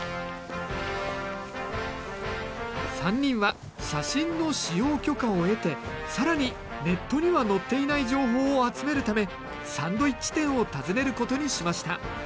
３人は写真の使用許可を得て更にネットにはのっていない情報を集めるためサンドイッチ店を訪ねることにしました。